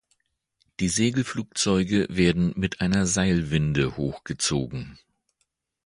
Die Segelflugzeuge werden mit einer Seilwinde hochgezogen.